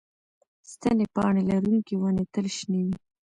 ستن پاڼې لرونکې ونې تل شنې وي